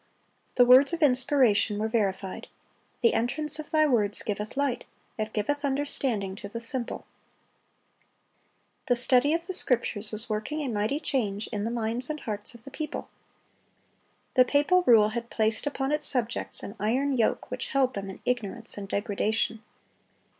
The words of inspiration were verified: "The entrance of Thy words giveth light; it giveth understanding unto the simple."(279) The study of the Scriptures was working a mighty change in the minds and hearts of the people. The papal rule had placed upon its subjects an iron yoke which held them in ignorance and degradation.